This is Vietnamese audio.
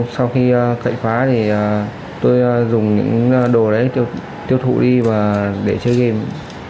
sau khi cậy phá thì tôi dùng những đồ đấy tiêu thụ đi và để chơi game